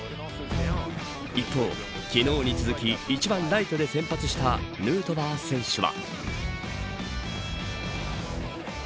一方、昨日に続き１番ライトで先発したヌートバー選手は。